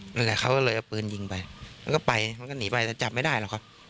นั่นแหละเขาก็เลยเอาปืนยิงไปแล้วก็ไปเขาก็หนีไปแต่จับไม่ได้หรอกครับ